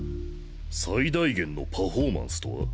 最大限のパフォーマンスとは？